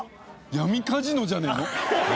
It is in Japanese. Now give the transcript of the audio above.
闇カジノじゃねえの？